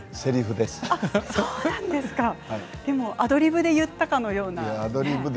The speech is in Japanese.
アドリブで言ったかのような。